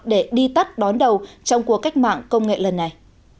để đi tắt đón đầu trong cuộc cách mạng công nghệ lần này